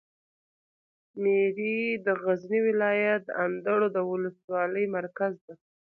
میری د غزني ولایت د اندړو د ولسوالي مرکز ده.